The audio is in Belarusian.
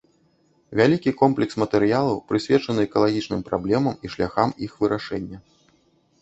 Вялікі комплекс матэрыялаў прысвечаны экалагічным праблемам і шляхам іх вырашэння.